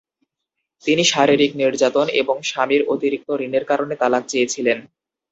তিনি শারীরিক নির্যাতন এবং স্বামীর অতিরিক্ত ঋণের কারণে তালাক চেয়েছিলেন।